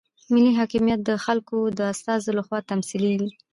ملي حاکمیت د خلکو د استازو لخوا تمثیلیږي.